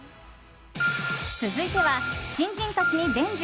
続いては、新人たちに伝授！